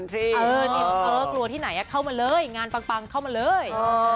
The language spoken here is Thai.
เออเกลียดกลัวที่ไหนอ่ะเข้ามาเลยงานปังเข้ามาเลย